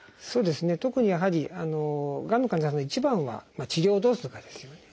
特にやはりがんの患者さんの一番は治療をどうするかですよね。